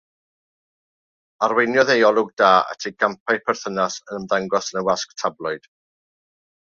Arweiniodd ei olwg da at ei gampau perthynas yn ymddangos yn y wasg tabloid.